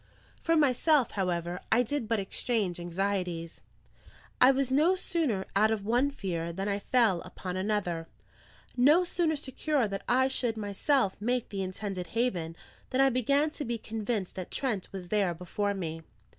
For myself, however, I did but exchange anxieties. I was no sooner out of one fear than I fell upon another; no sooner secure that I should myself make the intended haven, than I began to be convinced that Trent was there before me.